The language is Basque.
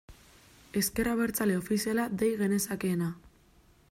Ezker Abertzale ofiziala dei genezakeena.